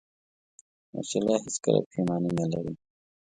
حوصله هیڅکله پښېماني نه لري.